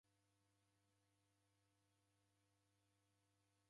Nisuw'irie anyaho